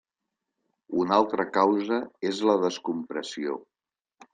Una altra causa és la descompressió.